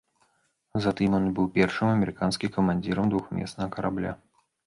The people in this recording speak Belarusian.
Затым ён быў першым амерыканскім камандзірам двухмеснага карабля.